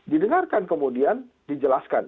didengarkan kemudian dijelaskan